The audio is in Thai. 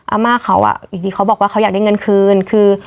อาม่าเขาอ่ะอีกทีเขาบอกว่าเขาอยากได้เงินคืนคือ